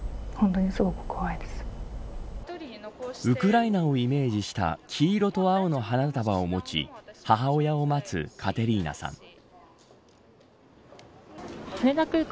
ウクライナをイメージした黄色と青の花束を持ち母親を待つカテリーナさん。